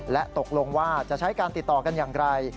และตกลงว่าจะใช้การติดต่อกันอย่างไร